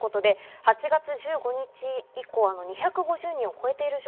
８月１５日以降、２５０人を超えています。